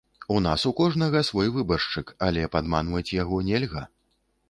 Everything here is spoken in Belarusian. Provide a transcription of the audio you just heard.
У нас у кожнага свой выбаршчык, але падманваць яго нельга.